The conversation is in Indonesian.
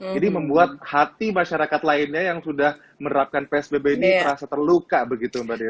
jadi membuat hati masyarakat lainnya yang sudah menerapkan psbb ini terasa terluka begitu mbak desi